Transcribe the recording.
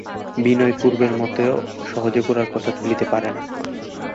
বিনয়ও পূর্বের মতো সহজে গোরার কথা তুলিতে পারে না।